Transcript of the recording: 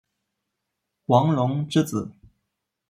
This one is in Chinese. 王隆之子。